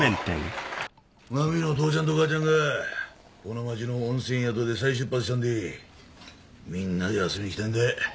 真実の父ちゃんと母ちゃんがこの町の温泉宿で再出発したんでみんなで遊びに来たんだ